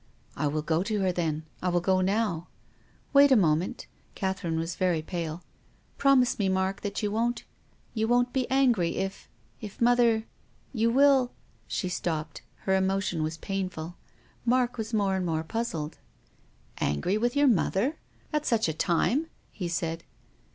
" I will go to her then. I will go now." " Wait a moment "— Catherine was very pale •—" Promise me, Mark, that you won't — you won't be angry if — if mother — you will " She stopped. Ilcr emotion was painful. Mark was more and more puzzled. " Angry with your mother ? At such a time !" he said.